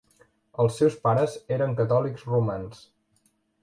Els seus pares eren catòlics romans.